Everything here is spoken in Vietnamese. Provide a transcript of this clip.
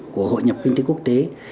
của hội nhập kinh tế quốc tế